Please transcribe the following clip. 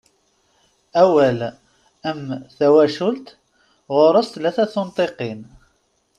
Awal am "tawacult" ɣuṛ-s tlata n tunṭiqin.